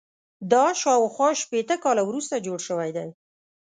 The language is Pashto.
دا شاوخوا شپېته کاله وروسته جوړ شوی دی.